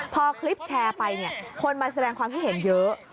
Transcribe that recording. พอคลิปแชร์ไปคนมาแสดงความคิดเห็นเยอะ